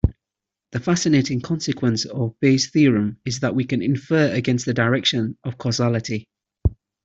The fascinating consequence of Bayes' theorem is that we can infer against the direction of causality.